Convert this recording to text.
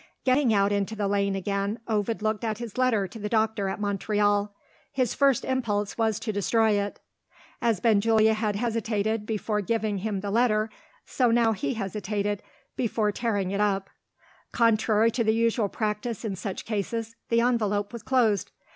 Getting out into the lane again, Ovid looked at his letter to the doctor at Montreal. His first impulse was to destroy it. As Benjulia had hesitated before giving him the letter, so he now hesitated before tearing it up. Contrary to the usual practice in such cases, the envelope was closed.